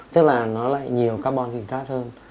tức là nó lại nhiều carbon hình thát hơn